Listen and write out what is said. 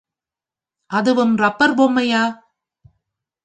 அதுவும் ரப்பர் பொம்மையா?